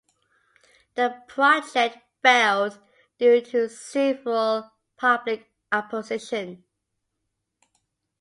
The project failed due to several public opposition.